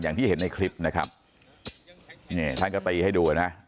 อย่างที่เห็นในคลิปนะครับนี่ท่านก็ตีให้ดูอ่ะนะ